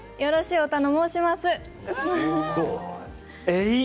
おたの申します。